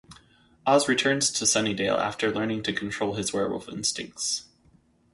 Oz returns to Sunnydale after learning to control his werewolf instincts.